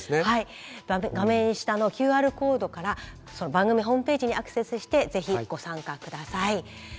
画面下のＱＲコードから番組ホームページにアクセスして是非ご参加ください。